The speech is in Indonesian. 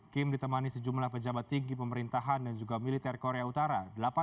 kim ditemani sejumlah pejabat tinggi pemerintahan dan juga militer korea utara